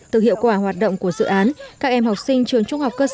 từ hiệu quả hoạt động của gia đình các em học sinh sẽ được giúp đỡ và giúp đỡ các em học sinh